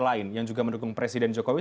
lain yang juga mendukung presiden jokowi